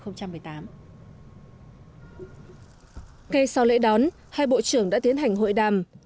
ngay sau lễ đón hai bộ trưởng đã tiến hành hội đàm